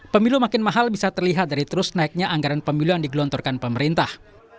pemilu makin mahal bisa terlihat dari terus naiknya anggaran pemilu yang digelontorkan pemerintah